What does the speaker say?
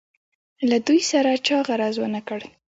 له دوی سره چا غرض ونه کړ.